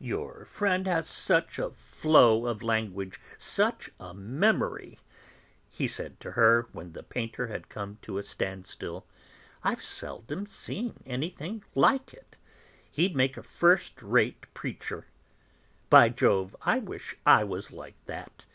"Your friend has such a flow of language, such a memory!" he had said to her when the painter had come to a standstill, "I've seldom seen anything like it. He'd make a first rate preacher. By Jove, I wish I was like that.